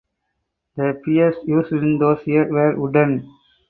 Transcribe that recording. The piers used in those years were wooden.